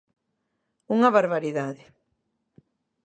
Unha barbaridade!